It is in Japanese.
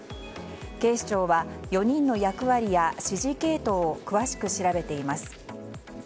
警視庁は４人の役割や指示系統を詳しく調べています。